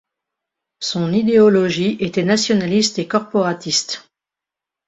Son idéologie était nationaliste et corporatiste.